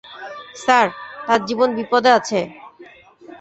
Sir, তার জীবন বিপদে আছে!